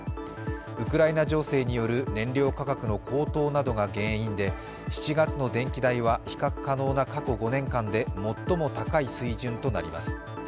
ウクライナ情勢による燃料価格の高騰などが原因で７月の電気代は比較可能な過去５年間で最も高い水準となります。